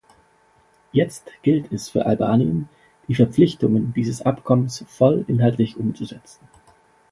Jetzt gilt es für Albanien, die Verpflichtungen dieses Abkommens voll inhaltlich umzusetzen.